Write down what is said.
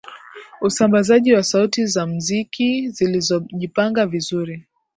usambazaji wa sauti za mziki zilizojipanga vizuri